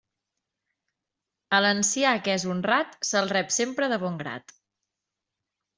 A l'ancià que és honrat se'l rep sempre de bon grat.